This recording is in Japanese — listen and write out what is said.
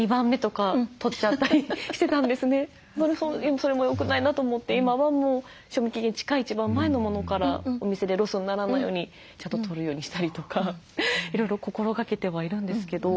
それもよくないなと思って今はもう賞味期限近い一番前のものからお店でロスにならないようにちゃんと取るようにしたりとかいろいろ心がけてはいるんですけど。